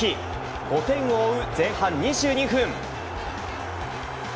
５点を追う前半２２分。